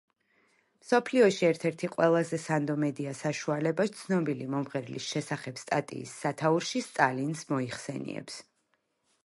მსოფლიოში ერთ–ერთი ყველაზე სანდო მედია საშუალება ცნობილი მომღერლის შესახებ სტატიის სათაურში სტალინს მოიხსენიებს.